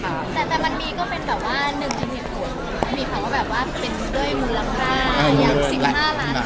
แต่มันมีก็เป็นหนึ่งจิตผิดมีภัครภาพว่ามีมูลค่าอย่าง๑๕ล้านฝน